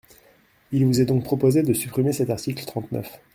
Il vous est donc proposé de supprimer cet article trente-neuf.